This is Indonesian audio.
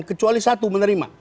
kecuali satu menerima